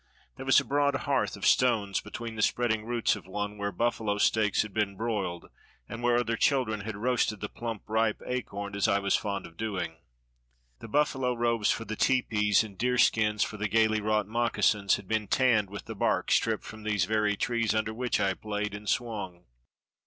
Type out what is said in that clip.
There was a broad hearth of stones between the spreading roots of one where buffalo steaks had been broiled, and where other children had roasted the plump ripe acorns as I was fond of doing. The buffalo robes for the tepees and deerskins for the gayly wrought moccasins had been tanned with the bark stripped from those very trees under which I played and swung.